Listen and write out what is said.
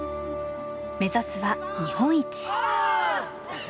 目指すは日本一。